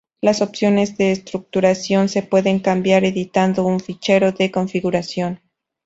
Las opciones de estructuración se pueden cambiar editando un fichero de configuración.